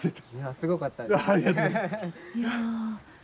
すごかったです。